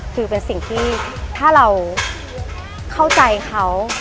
คือเป็นสิ่งที่ถ้าเราเข้าใจเขา